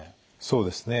そうですね。